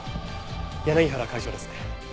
柳原会長ですね。